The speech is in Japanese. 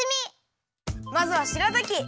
まずはしらたき。